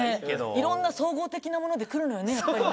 色んな総合的なものでくるのよねやっぱりね。